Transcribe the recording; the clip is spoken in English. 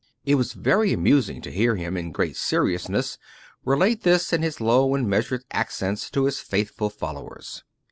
It was very amusing to hear him, in great seriousness, relate this in his low and measured accents to his faithful followers.